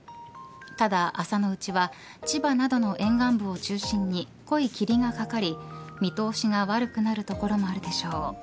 ただ朝のうちは千葉などの沿岸部を中心に濃い霧がかかり見通しが悪くなる所もあるでしょう。